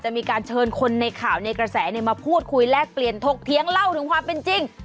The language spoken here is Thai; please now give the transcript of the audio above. มีการเชิญคนในข่าวในกระแสมาพูดคุยแลกเปลี่ยนถกเถียงเล่าถึงความเป็นจริง